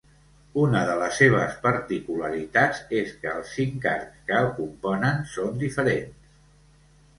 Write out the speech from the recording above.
Una de les seves particularitats és que els cinc arcs que el componen són diferents.